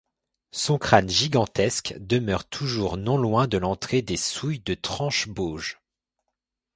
Son crâne gigantesque demeure toujours non loin de l’entrée des Souilles de Tranchebauge.